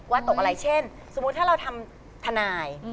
ตกอะไรเช่นสมมุติถ้าเราทำทนาย